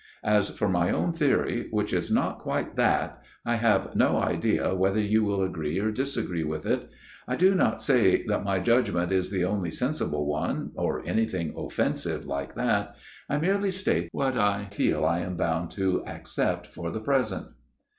As for my own theory, which is not quite that, I have no idea whether you will agree or disagree with it. I do not say that my judgment is the only sensible one, or anything offensive like that. I merely state what I feel I am bound to accept for the present."